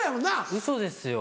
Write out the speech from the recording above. ウソですよ。